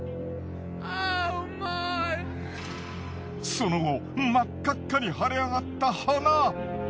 その後真っ赤っかに腫れあがった鼻！